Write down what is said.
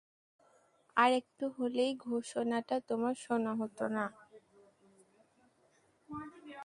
আরেকটু হলেই ঘোষণাটা তোমার শোনা হতো না।